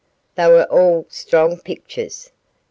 They were all strong pictures.